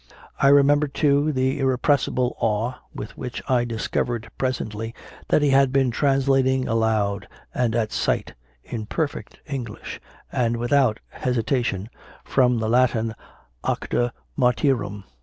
I remember, too, the irrepressible awe with which I discovered presently that he had been translating aloud and at sight, in perfect English and without hesitation, from the Latin "Acta Martyrum."